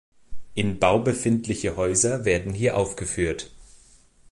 In Bau befindliche Häuser werden hier aufgeführt.